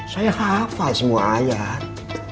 saya hafal semua ayat